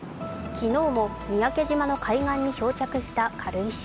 昨日も三宅島の海岸に漂着した軽石。